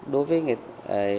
đối với người